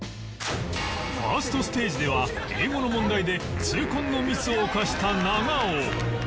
ファーストステージでは英語の問題で痛恨のミスを犯した長尾